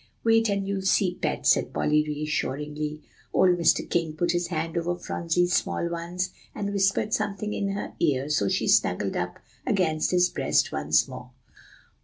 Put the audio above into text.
"Wait, and you'll see, Pet," said Polly reassuringly. Old Mr. King put his hand over Phronsie's small ones, and whispered something in her ear, so she snuggled up against his breast once more.